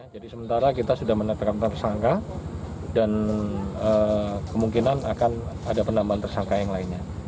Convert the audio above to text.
jadi sementara kita sudah menetapkan tersangka dan kemungkinan akan ada penambangan tersangka yang lainnya